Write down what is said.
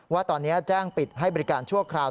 ว่าตอนนี้แจ้งปิดให้บริการชั่วคราว